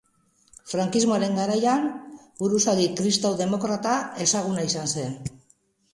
Frankismoaren garaian, buruzagi kristau-demokrata ezaguna izan zen.